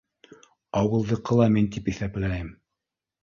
Ауылдыҡы ла мин тип иҫәпләйем